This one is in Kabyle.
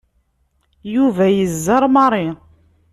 Yuba yezzi ar Mary.